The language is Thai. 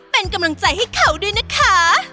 เป็นกำลังใจให้เขาด้วยนะคะ